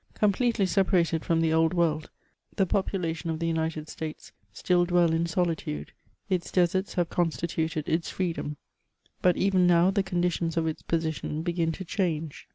Completely separated from the Old World, the population of the United States still dwell in solitude ; its deserts have constituted its freedom ; but even now the conditions of its position begin to change.